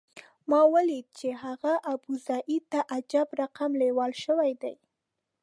ما ولیدل چې هغه ابوزید ته عجب رقم لېوال شوی دی.